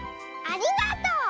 ありがとう！